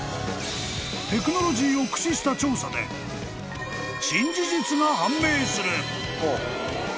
［テクノロジーを駆使した調査で新事実が判明する］